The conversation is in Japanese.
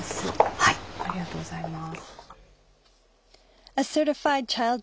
ありがとうございます。